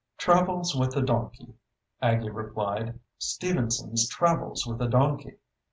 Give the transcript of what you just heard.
"'Travels with a Donkey,'" Aggie replied. "Stevenson's 'Travels with a Donkey.'